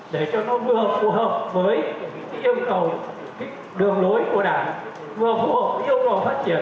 để cho nó vừa phù hợp với yêu cầu đường lối của đảng vừa phù hợp yêu cầu phát triển